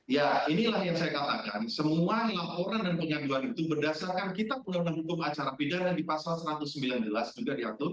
ya inilah yang saya katakan semua laporan dan pengaduan itu berdasarkan kitab undang undang hukum acara pidana di pasal satu ratus sembilan belas juga diatur